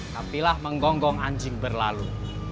tapi lah menggonggong anjing berlalu